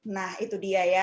nah itu dia ya